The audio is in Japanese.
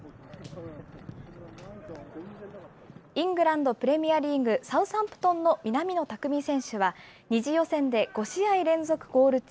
イングランドプレミアリーグ・サウサンプトンの南野拓実選手は、２次予選で５試合連続ゴール中。